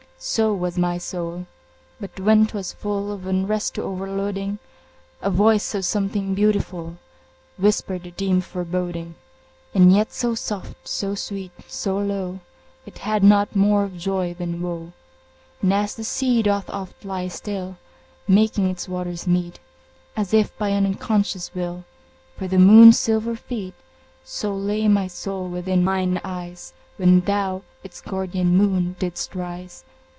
So was my soul; but when 'twas full Of unrest to o'erloading, A voice of something beautiful Whispered a dim foreboding, And yet so soft, so sweet, so low, It had not more of joy than woe; And, as the sea doth oft lie still, Making its waters meet, As if by an unconscious will, For the moon's silver feet, So lay my soul within mine eyes When thou, its guardian moon, didst rise.